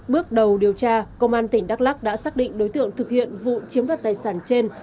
bước đầu điều tra công an tỉnh đắk lắc đã xác định đối tượng thực hiện vụ chiếm đoạt tài sản trên